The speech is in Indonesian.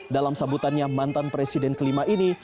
dalam sambutannya mantan presiden kelima ini